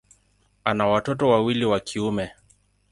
Ana watoto wawili wa kiume.